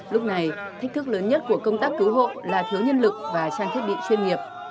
lúc này thách thức lớn nhất của công tác cứu hộ là thiếu nhân lực và trang thiết bị chuyên nghiệp